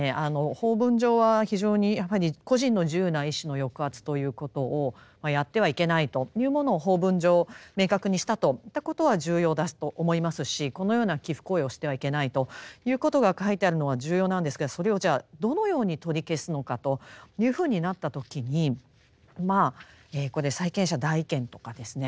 法文上は非常にやはり個人の自由な意思の抑圧ということをやってはいけないというものを法文上明確にしたといったことは重要だと思いますしこのような寄附行為をしてはいけないということが書いてあるのは重要なんですけどそれをじゃあどのように取り消すのかというふうになった時にこれ債権者代位権とかですね